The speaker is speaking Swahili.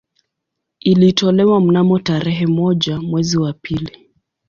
Ilitolewa mnamo tarehe moja mwezi wa pili